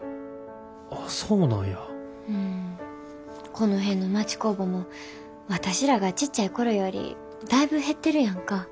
この辺の町工場も私らがちっちゃい頃よりだいぶ減ってるやんか。